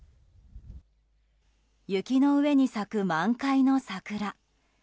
雪の上に咲く満開の桜。